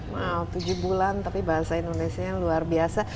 wow tujuh bulan tapi bahasa indonesia luar biasa